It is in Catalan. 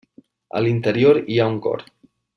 A l'interior hi ha un cor.